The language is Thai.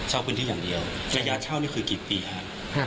เช่าพื้นที่อย่างเดียวระยะเช่านี่คือกี่ปีฮะ